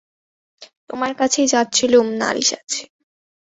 তোমার কাছেই যাচ্ছিলুম, নালিশ আছে।